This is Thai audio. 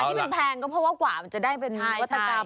ที่มันแพงก็เพราะว่ากว่ามันจะได้เป็นนวัตกรรม